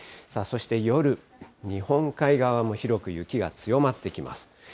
そして夜、日本海側も広く雪が強まってきます。